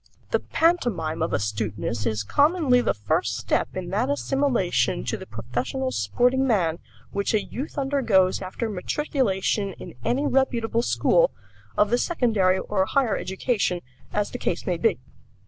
The pantomime of astuteness is commonly the first step in that assimilation to the professional sporting man which a youth undergoes after matriculation in any reputable school, of the secondary or the higher education, as the case may be.